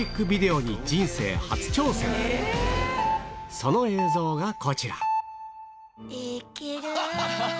その映像がこちら